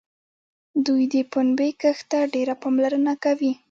دوی د پنبې کښت ته ډېره پاملرنه کوي.